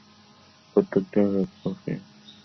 প্রত্যেকটির এক এক কপি তোমাকে পাঠিয়ে দেবার ইচ্ছা আছে।